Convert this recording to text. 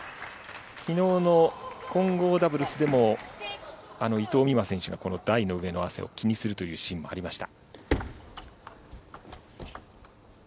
きのうの混合ダブルスでも、伊藤美誠選手がこの台の上の汗を気にするというシーンもありました。